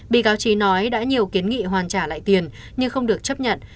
bị cáo trí nói đã nhiều kiến nghị hoàn trả lại tiền nhưng không được chấp nhận